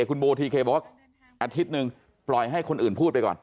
คุณโบทีเคบอกว่าอาทิตย์หนึ่งปล่อยให้คนอื่นพูดไปก่อน